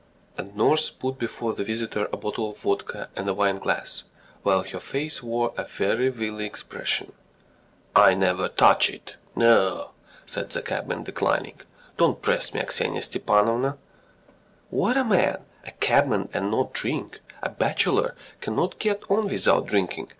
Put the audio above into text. And nurse put before the visitor a bottle of vodka and a wine glass, while her face wore a very wily expression. "I never touch it. ... No ..." said the cabman, declining. "Don't press me, Aksinya Stepanovna." "What a man! ... A cabman and not drink! ... A bachelor can't get on without drinking.